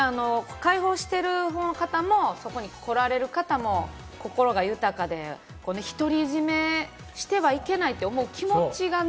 開放している方も、そこにこられる方も心が豊かで独り占めしてはいけないと思う気持ちがね。